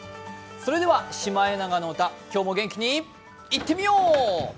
それでは「シマエナガの歌」今日も元気にいってみよう！